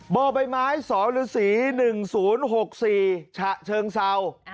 เบอร์ใบไม้สศ๑๐๖๔ชเชิงเศร้า